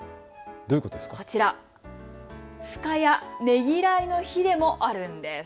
こちら、深谷ねぎらいの日でもあるんです。